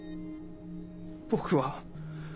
僕は。